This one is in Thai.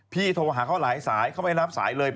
โทรหาเขาหลายสายเขาไม่รับสายเลย